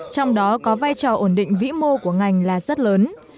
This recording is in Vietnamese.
trong đó có vai trò ổn định vĩ mô của ngành là rất lớn